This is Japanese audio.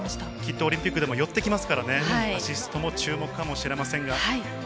オリンピックでも寄ってきますから、アシストも注目かもしれません。